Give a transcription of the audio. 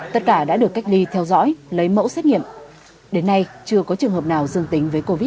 tất cả đã được cách ly theo dõi lấy mẫu xét nghiệm đến nay chưa có trường hợp nào dương tính với covid một mươi chín